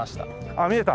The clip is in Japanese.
あっ見えた？